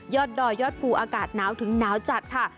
ดอยยอดภูอากาศหนาวถึงหนาวจัดค่ะ